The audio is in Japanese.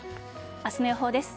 明日の予報です。